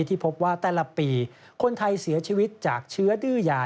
ที่พบว่าแต่ละปีคนไทยเสียชีวิตจากเชื้อดื้อยา